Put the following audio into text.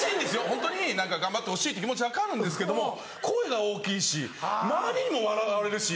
ホントに頑張ってほしいっていう気持ち分かるんですけども声が大きいし周りにも笑われるし。